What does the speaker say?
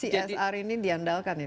csr ini diandalkan